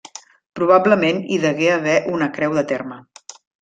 Probablement hi degué haver una creu de terme.